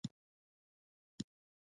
دا دی د ایران لنډه پیژندنه.